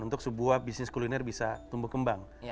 untuk sebuah bisnis kuliner bisa tumbuh kembang